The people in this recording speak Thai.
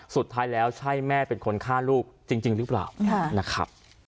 สุดท้ายแล้วใช่แม่เป็นคนฆ่าลูกจริงหรือเปล่านะครับ